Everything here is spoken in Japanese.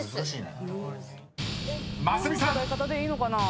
［ますみさん］